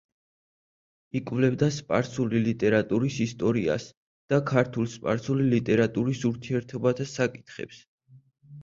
იკვლევდა სპარსული ლიტერატურის ისტორიას და ქართულ–სპარსული ლიტერატურის ურთიერთობათა საკითხებს.